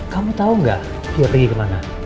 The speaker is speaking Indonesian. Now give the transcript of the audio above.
kamu tahu nggak dia pergi ke mana